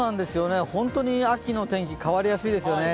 ホントに秋の天気、変わりやすいですよね。